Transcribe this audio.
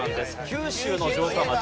九州の城下町。